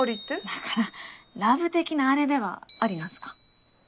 だからラブ的なアレではありなんすか？